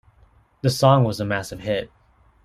The song was a massive hit.